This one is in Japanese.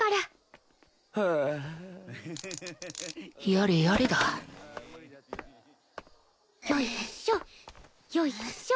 やれやれだよいしょよいしょ。